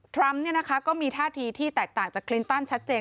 ทรัมป์ก็มีท่าทีที่แตกต่างจากคลินตันชัดเจน